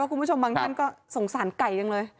คุณผู้ชมบางท่านก็สงสารไก่จังเลย